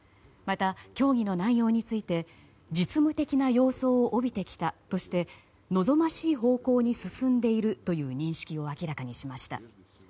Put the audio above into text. また、協議の内容について実務的な様相を帯びてきたとして望ましい方向に進んでいるという認識を明らかにしました。